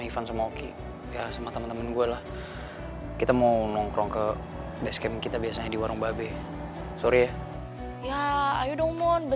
van ki lo ke warung babinya duluan aja deh